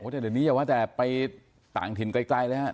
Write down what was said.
แต่เดี๋ยวไปต่างถิ่นใกล้เลยฮะ